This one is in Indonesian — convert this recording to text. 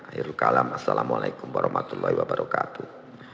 akhirnya assalamu'alaikum warahmatullahi wabarakatuh